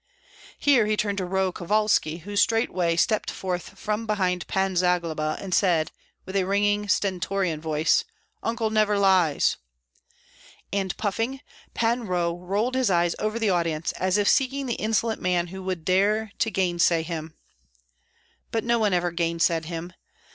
Here he turned to Roh Kovalski, who straightway stepped forth from behind Pan Zagloba, and said, with a ringing, stentorian voice, "Uncle never lies!" And, puffing, Pan Roh rolled his eyes over the audience, as if seeking the insolent man who would dare to gainsay him. But no one ever gainsaid him.